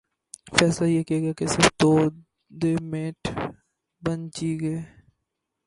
فیصلہ یہ کیا گیا کہہ صرف دو ڈے میٹھ بن ج گے